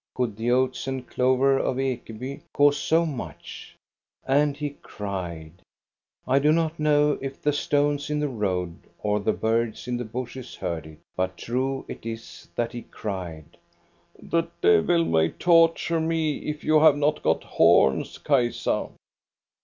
Could the oats and clover of Ekeby cause so much } And he cried — I do not know if the stones in the road or the birds in the bushes heard it, but true it is that he cried —" The devil may tor ture me, if you have not got horns, Kajsa!"